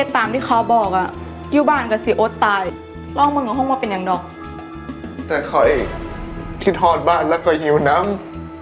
แต่เขาคิดทอดบ้านแล้วก็หิวน้ำ